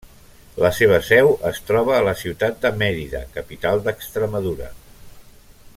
La seva seu es troba a la ciutat de Mèrida, capital d'Extremadura.